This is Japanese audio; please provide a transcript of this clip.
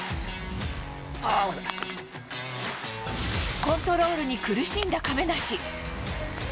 コントロールに苦しんだ亀梨。